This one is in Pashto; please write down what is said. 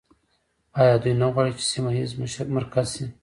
آیا دوی نه غواړي چې سیمه ییز مرکز شي؟